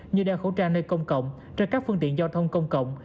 như đeo khẩu trang nơi công cộng trên các phương tiện giao thông công cộng